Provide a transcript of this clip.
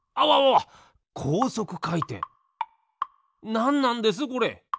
なんなんですこれ？